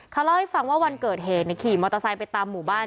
เขาเล่าให้ฟังว่าวันเกิดเหตุขี่มอเตอร์ไซค์ไปตามหมู่บ้าน